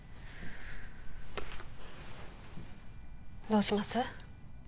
どうします？